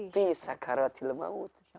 fi sakaratil mawth